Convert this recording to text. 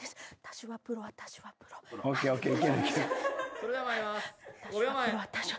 それでは参ります。